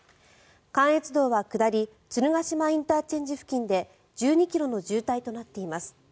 関越道は下り、鶴ヶ島ＩＣ付近で１２ｋｍの渋滞となっています。